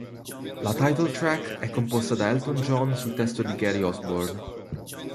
La titletrack è composta da Elton John su testo di Gary Osborne.